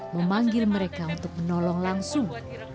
memanggil mereka untuk menolong langsung